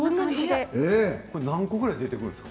何個ぐらい出ているんですか。